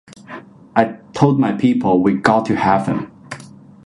I told my people, 'We got to have him.